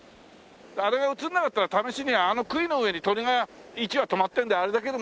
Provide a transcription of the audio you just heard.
あれが映らなかったら試しにあの杭の上に鳥が１羽止まってるのであれだけでも。